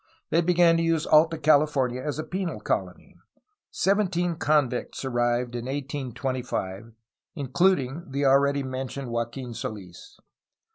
They began to use Alta California as a penal colony. Seventeen convicts arrived in 1825, including the already mentioned Joaquin Soils.